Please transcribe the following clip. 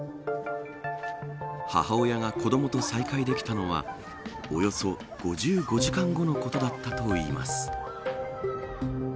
母親が子どもと再会できたのはおよそ５５時間後のことだったといいます。